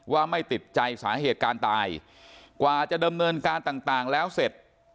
ว่าไม่ติดใจสาเหตุการตายกว่าจะดำเนินการต่างแล้วเสร็จ